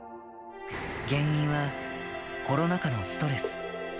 原因はコロナ禍のストレス。